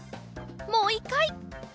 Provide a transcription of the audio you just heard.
もう１かい！